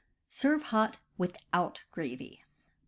Serve hot, ivithout gravy.